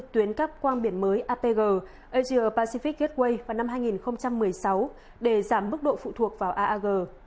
tuyến cắp quang biển mới apg asia pacific gateway vào năm hai nghìn một mươi sáu để giảm mức độ phụ thuộc vào aag